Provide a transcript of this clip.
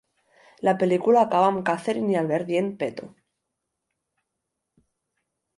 La pel·lícula acaba amb Catherine i Albert dient "Peto!".